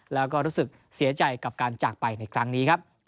แล้วก็รู้สึกเสียใจกับการจากไปในครั้งนี้ครับ